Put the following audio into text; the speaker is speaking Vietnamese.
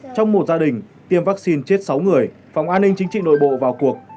trong một gia đình tiêm vaccine chết sáu người phòng an ninh chính trị nội bộ vào cuộc